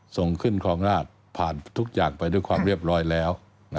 ส่งขึ้นครองราชผ่านทุกอย่างไปด้วยความเรียบร้อยแล้ว